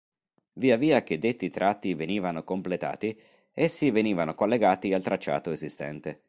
Via via che detti tratti venivano completati, essi venivano collegati al tracciato esistente.